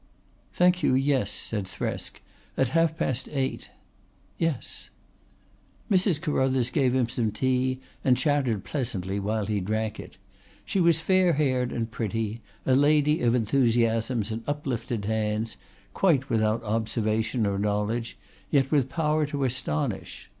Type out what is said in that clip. "Thank you, yes," said Thresk. "At half past eight." "Yes." Mrs. Carruthers gave him some tea and chattered pleasantly while he drank it. She was fair haired and pretty, a lady of enthusiasms and uplifted hands, quite without observation or knowledge, yet with power to astonish.